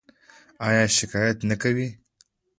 ایا شکایت نه کوئ؟